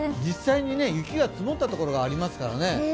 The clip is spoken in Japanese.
実際に雪が積もったところがありますからね。